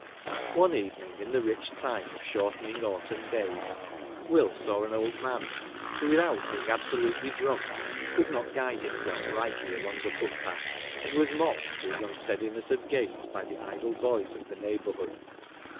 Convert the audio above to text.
One evening, in the rich time of shortening autumn days, Will saw an old man, who, without being absolutely drunk, could not guide himself rightly along the foot path, and was mocked for his unsteadiness of gait by the idle boys of the neighbourhood.